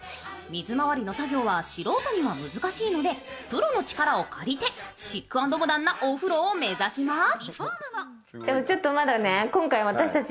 水回りの作業は素人には難しいのでプロの力を借て、シック＆モダンなお風呂を目指します。